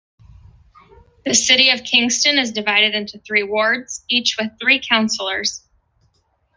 The City of Kingston is divided into three wards, each with three councillors.